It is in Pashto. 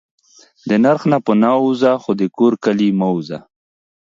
دا نرخ په نه. ووځه خو دا کور کلي مه ووځه